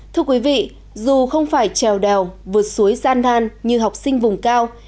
thưa quý vị dù không phải trèo đèo vượt suối gian nan như học sinh vùng cao